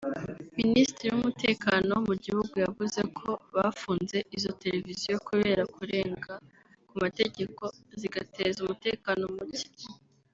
Minisitiri w’Umutekano mu gihugu yavuze ko bafunze izo televiziyo kubera kurenga ku mategeko zigateza umutekano muke